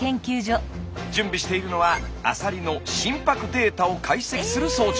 準備しているのはアサリの心拍データを解析する装置。